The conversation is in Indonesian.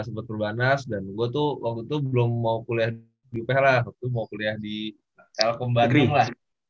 ha sempet perbanas dan gue tuh waktu itu belum mau kuliah di uph lah waktu itu mau kuliah di telkom bandung lah